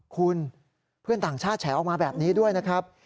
คุณเพื่อนต่างชาติแฉออกมาแบบนี้ด้วยนะครับ